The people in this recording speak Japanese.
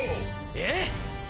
ええ！